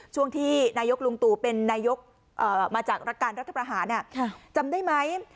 ช่วงที่นายกลุงตู่เป็นนายกมาจากรักการรัฐประหารจำได้ไหม